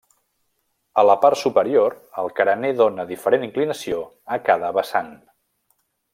A la part superior el carener dóna diferent inclinació a cada vessant.